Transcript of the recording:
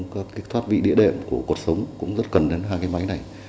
các thoát vị địa đệm của cuộc sống cũng rất cần đến hai máy này